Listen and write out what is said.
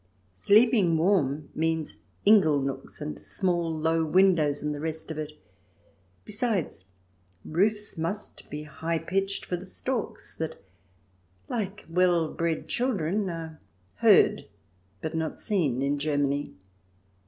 Sleeping warm means ingle nooks and small low windows and the rest of it. Besides, roofs must be high pitched for the storks that, like well bred children, are heard but not seen, in Germany.